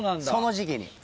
その時期に。